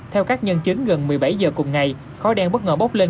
theo các nhân chính gần một mươi bảy h cùng ngày khói đen bất ngờ bốc lên